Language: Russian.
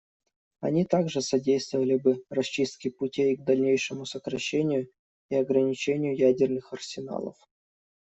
Они также содействовали бы расчистке путей к дальнейшему сокращению и ограничению ядерных арсеналов.